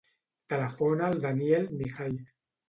Telefona al Daniel Mihai.